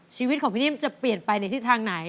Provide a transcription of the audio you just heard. ชีวิตของพี่นิ่มจะเปลี่ยนไปในทิศทางไหน